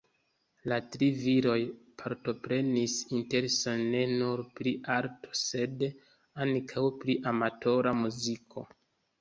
La tri viroj partoprenis intereson ne nur pri arto, sed ankaŭ pri amatora muziko.